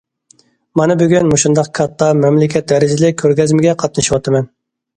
مانا بۈگۈن مۇشۇنداق كاتتا، مەملىكەت دەرىجىلىك كۆرگەزمىگە قاتنىشىۋاتىمەن.